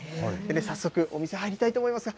早速お店入りたいと思います。